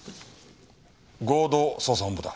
合同捜査本部だ。